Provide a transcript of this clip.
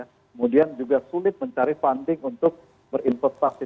kemudian juga sulit mencari funding untuk berinvestasi